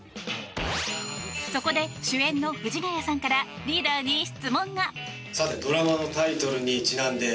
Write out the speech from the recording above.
そこで、主演の藤ヶ谷さんからリーダーに質問が。